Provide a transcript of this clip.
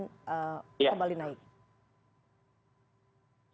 kemudian kembali naik